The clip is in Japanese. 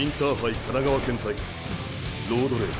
神奈川県大会ロードレース